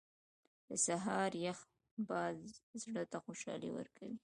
• د سهار یخ باد زړه ته خوشحالي ورکوي.